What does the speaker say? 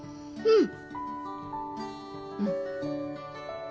うん。